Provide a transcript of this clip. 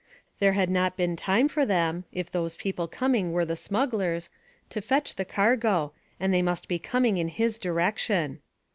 There had not been time for them if those people coming were the smugglers to fetch the cargo, and they must be coming in his direction.